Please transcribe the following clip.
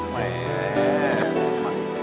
เต็มมาก